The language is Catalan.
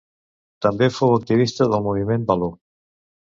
També fou activista del moviment való.